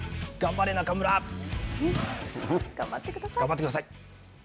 頑張ってください。